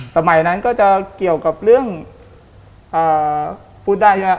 สมัยนั้นก็จะเกี่ยวกับเรื่องพูดได้ใช่ไหม